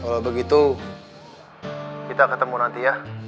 kalau begitu kita ketemu nanti ya